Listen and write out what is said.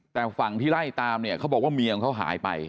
แต่ฝั่งที่ไล่ตามเนี่ยเขาบอกว่าเมียของเขาหายไป